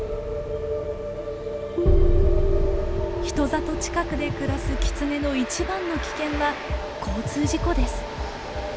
人里近くで暮らすキツネの一番の危険は交通事故です。